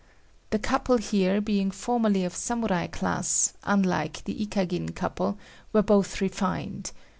The couple here, being formerly of samurai class, unlike the Ikagin couple, were both refined.